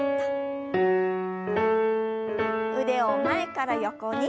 腕を前から横に。